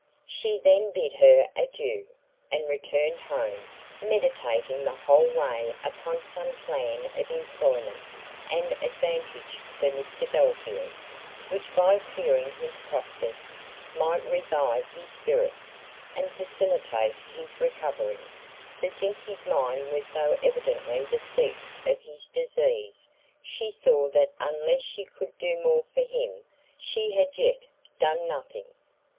She then bid her adieu, and returned home; meditating the whole way upon some plan of employment and advantage for Mr Belfield, which by clearing his prospects, might revive his spirits, and facilitate his recovery: for since his mind was so evidently the seat of his disease, she saw that unless she could do more for him, she had yet done nothing.